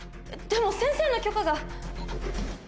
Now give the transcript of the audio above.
でも先生の許可が。